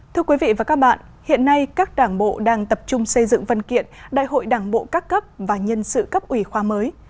thưa quý vị và các bạn hiện nay các đảng bộ đang tập trung xây dựng văn kiện đại hội đảng bộ các cấp và nhân sự cấp ủy khoa mới